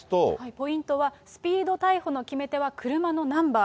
ポイントはスピード逮捕の決め手は車のナンバー。